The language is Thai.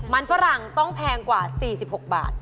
มันฝรั่งต้องแพงกว่า๔๖บาท